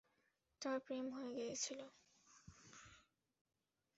তার প্রেম হয়ে গিয়েছে।